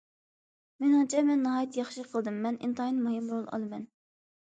مېنىڭچە مەن ناھايىتى ياخشى قىلدىم، مەن ئىنتايىن مۇھىم رول ئالىمەن.